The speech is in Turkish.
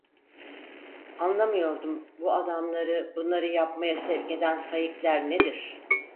Anlamıyordum, bu adamları, bunları yapmaya sevk eden saikler nedir?